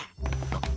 あ。